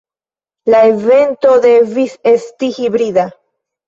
La evento devis esti hibrida.